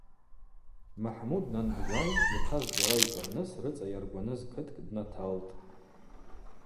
Махӏмуд дангвжвай йхъа зджьара йкӏырныс рыцӏа йаргваныз кыткӏ днаталтӏ.